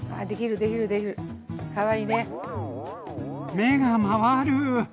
目が回る。